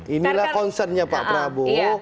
inilah concernnya pak prabowo